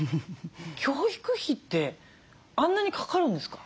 教育費ってあんなにかかるんですか？